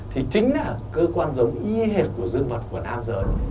thì chính là cơ quan giống y hệt của dương vật của nam giới